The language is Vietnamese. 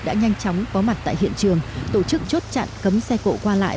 đã nhanh chóng có mặt tại hiện trường tổ chức chốt chặn cấm xe cộ qua lại